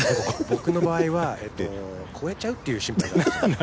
僕の場合は越えちゃうっていう心配があるんですよ。